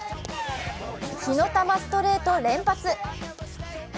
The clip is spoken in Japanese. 火の玉ストレート連発。